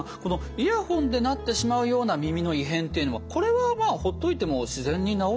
イヤホンでなってしまうような耳の異変っていうのはこれはほっといても自然に治るものじゃないんですかね？